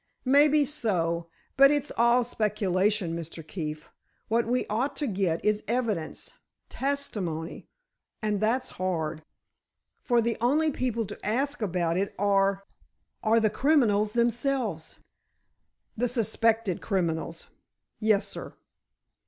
"Maybe so, but it's all speculation, Mr. Keefe. What we ought to get is evidence—testimony—and that's hard, for the only people to ask about it are——" "Are the criminals themselves." "The suspected criminals—yes, sir."